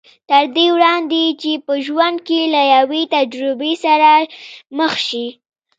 تر دې وړاندې چې په ژوند کې له يوې تجربې سره مخ شي.